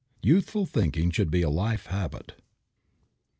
Youthful thinking should be a life habit.